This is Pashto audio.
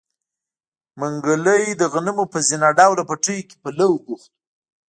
منګلی د غنمو په زينه ډوله پټيو کې په لو بوخت و.